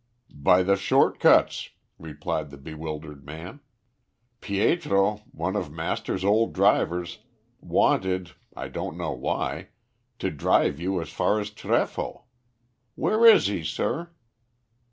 "By the short cuts," replied the bewildered man. "Pietro, one of master's old drivers, wanted I don't know why to drive you as far as Trefoi. Where is he, sir?"